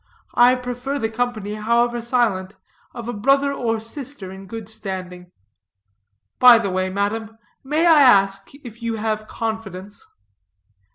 I prefer the company, however silent, of a brother or sister in good standing. By the way, madam, may I ask if you have confidence?"